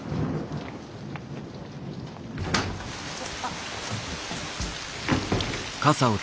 あっ。